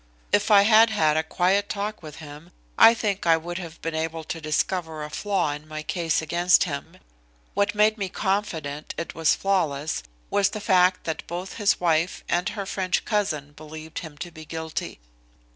If I had had a quiet talk with him I think I would have been able to discover a flaw in my case against him. What made me confident it was flawless was the fact that both his wife and her French cousin believed him to be guilty.